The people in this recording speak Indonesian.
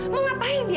mau ngapain ya